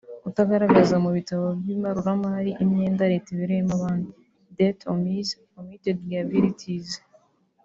Kutagaragaza mu bitabo by’ibaruramari imyenda Leta ibereyemo abandi (dettes omises/ Omitted liabilities);